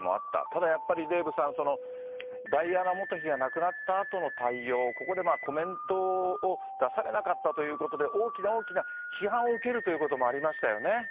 ただやっぱり、デーブさん、ダイアナ元妃が亡くなったあとの対応、ここでコメントを出されなかったということで、大きな大きな批判を受けるということもありましたよね。